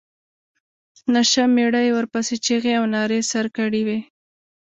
نشه مېړه یې ورپسې چيغې او نارې سر کړې وې.